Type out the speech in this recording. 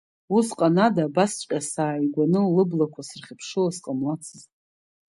Усҟан ада абасҵәҟьа сааигәаны лыблақәа сырхыԥшыло сҟамлацызт…